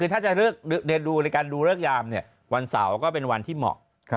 ถ้าจะดูโดรกยามวันเสาร์ก็เป็นวันที่เหมาะ